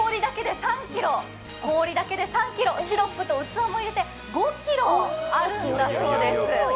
氷だけで３ｋｇ、シロップと器を入れて５ｋｇあるんだそうです。